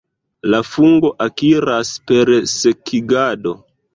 La fungo akiras, per sekigado.